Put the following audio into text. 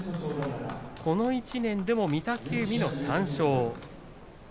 この１年でも御嶽海の３勝。